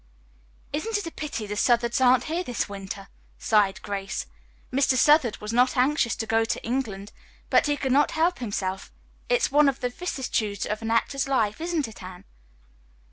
"Isn't it a pity the Southards aren't here this winter?" sighed Grace. "Mr. Southard was not anxious to go to England, but he could not help himself. It's one of the vicissitudes of an actor's life, isn't it, Anne?"